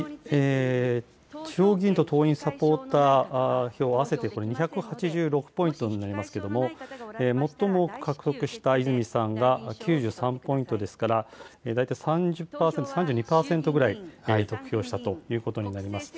地方議員と党員・サポーター票、合わせてこれ、２８６ポイントになりますけれども、最も獲得した泉さんが９３ポイントですから、大体３０％、３２％くらい得票したということになります。